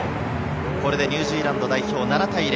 これでニュージーランド代表、７対０。